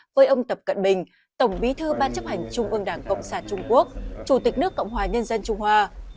với ông tập cận bình tổng bí thư ban chấp hành trung ương đảng cộng sản trung quốc chủ tịch nước cộng hòa nhân dân trung hoa